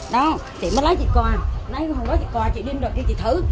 đó chị mới lấy chị coi lấy hồn lấy chị coi chị đem rồi chị thử